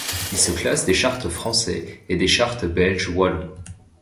Il se classe des charts français et des charts belge wallons.